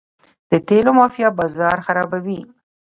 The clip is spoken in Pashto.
د تیلو مافیا بازار خرابوي.